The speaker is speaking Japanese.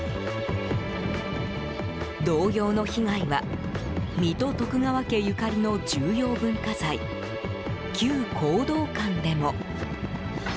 同様の被害は水戸徳川家ゆかりの重要文化財旧弘道館でも。